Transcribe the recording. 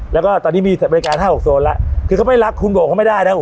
แล้วก็ตอนนี้มีบริการ๕๖โซนแล้วคือเขาไม่รักคุณบอกเขาไม่ได้นะ